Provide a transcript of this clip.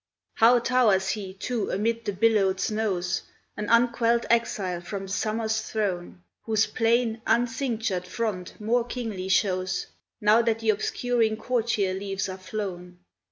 How towers he, too, amid the billowed snows, An unquelled exile from the summer's throne, Whose plain, uncinctured front more kingly shows, Now that the obscuring courtier leaves are flown.